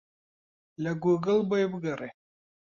لە گووگڵ بۆی بگەڕێ.